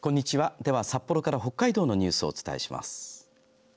では、札幌から北海道のニュースをお伝えします。